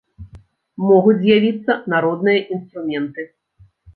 Могуць з'явіцца народныя інструменты.